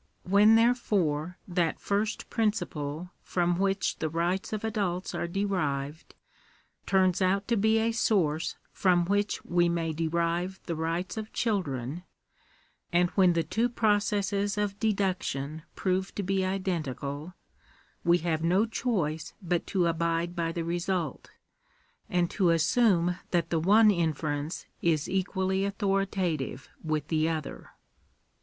When therefore that first principle from which the rights of adults are derived, turns out to he a source from which we may de rive the rights of children, and when the two processes of deduction prove to he identical, we have no choice but to abide by the result, and to assume that the one inference is equally authoritative with the other.